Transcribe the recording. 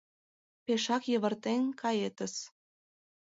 Пешак йывыртен каетыс!